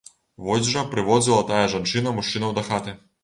Вось жа, прыводзіла тая жанчына мужчынаў дахаты.